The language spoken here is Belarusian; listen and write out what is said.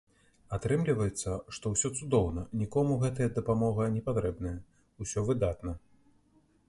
Атрымліваецца, што ўсё цудоўна, нікому гэтая дапамога не патрэбная, усё выдатна!